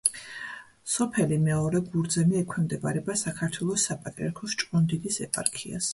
სოფელი მეორე გურძემი ექვემდებარება საქართველოს საპატრიარქოს ჭყონდიდის ეპარქიას.